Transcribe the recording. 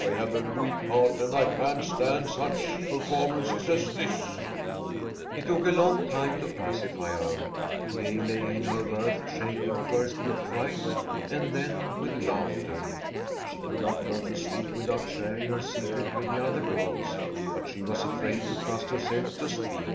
I have a weak heart and I can't stand such performances as this." [Illustration: "'I TELL YOU SOMEBODY WAS TRYING TO SANDBAG ME'"] It took a long time to pacify her. Gay lay in her berth, shaking first with fright and then with laughter. She could not go to sleep without sharing her secret with the other girls, but she was afraid to trust herself to speak.